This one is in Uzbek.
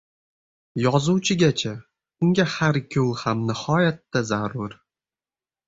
Yozuvchiga-chi? Unga har ikkovi ham nihoyatda zarur.